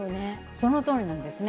そのとおりなんですね。